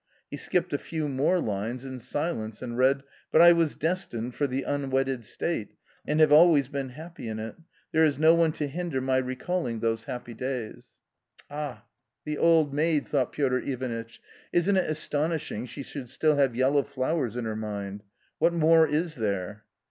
He skipped a few more lines in silence and , read :" But I was destined for the unwedded state, and have always been happy in it: there is no one to hinder my recalling those happy days." " Ah, the old maid !" thought Piotr Ivanitch. " Isn't it astonishing she should still have yellow flowers in her mind? What more is there